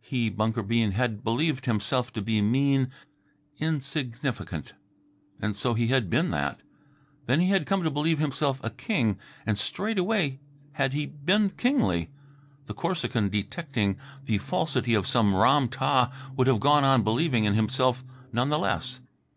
He, Bunker Bean, had believed himself to be mean, insignificant. And so he had been that. Then he had come to believe himself a king, and straightway had he been kingly. The Corsican, detecting the falsity of some Ram tah, would have gone on believing in himself none the less.